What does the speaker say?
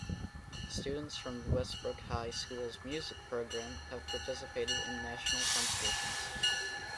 Students from Westbrook High School's music program have participated in national competitions.